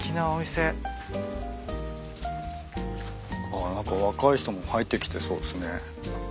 あっ何か若い人も入ってきてそうですね。